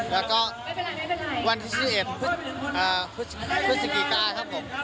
แล้วก็วันที่๘๑พฤศจิกายนตามคนใช้เรือ๑๖๘นะครับผม